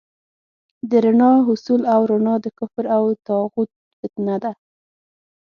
د رڼا حصول او رڼا د کفر او طاغوت فتنه ده.